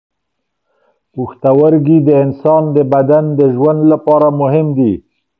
پښتورګي د انسان د بدن د ژوند لپاره مهم دي.